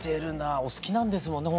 お好きなんですもんね